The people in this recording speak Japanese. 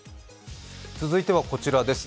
続いてはこちらです。